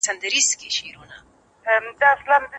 که ملګرتیا وي نو یوازیتوب نه وي.